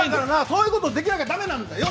そういうことできなきゃダメなんだよ！